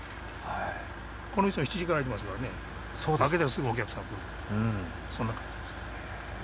この店も７時から開いてますからね開けたらすぐお客さんが来る、そんな感じですね。